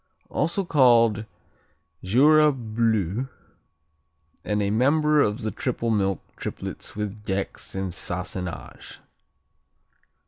Also called Jura Bleu, and a member of the triple milk triplets with Gex and Sassenage.